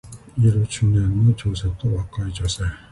バスと同じように信号待ちをしている中年の女性と若い女性